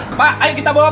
silahkan cek dapur saya